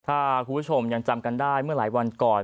ถ้าคุณผู้ชมยังจำกันได้เมื่อหลายวันก่อน